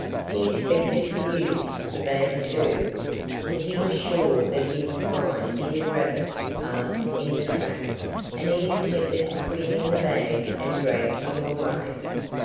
He expected to use the bag, too. For he was very sure that he would find Jimmy Rabbit fast in the trap and he intended to put him in the bag and drag him away.